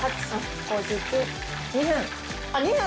２分！